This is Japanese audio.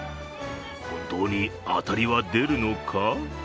本当に当たりは出るのか？